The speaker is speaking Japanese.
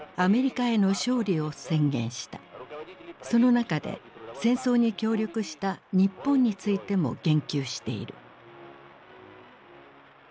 その中で戦争に協力した日本についても言及している。